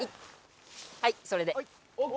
はいそれで・ＯＫ